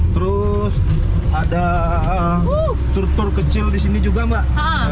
terus ada tour kecil di sini juga mbak